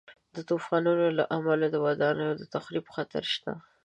د طوفانونو له امله د ودانیو د تخریب خطر شته.